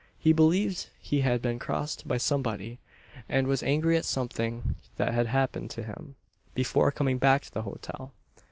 He believed he had been crossed by somebody, and was angry at something that had happened to him, before coming back to the hotel.